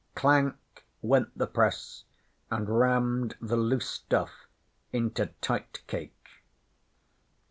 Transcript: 'Clank!' went the press, and rammed the loose stuff into tight cake.